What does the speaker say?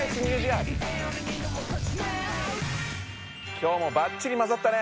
今日もばっちりまざったね！